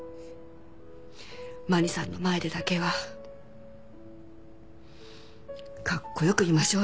まにさんの前でだけはカッコよくいましょうよ。